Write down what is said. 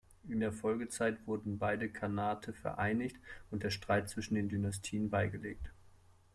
In der Folgezeit wurden beide Khanate vereinigt und der Streit zwischen den Dynastien beigelegt.